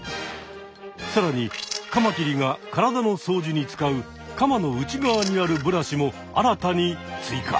さらにカマキリが体のそうじに使うカマの内側にあるブラシも新たに追加。